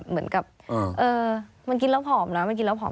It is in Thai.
เหมือนกับมันกินแล้วผอมนะมันกินแล้วผอม